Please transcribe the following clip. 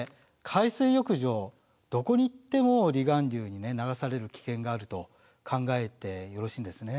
海水浴場どこに行っても離岸流にね流される危険があると考えてよろしいんですね。